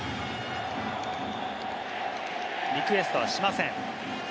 リクエストはしません。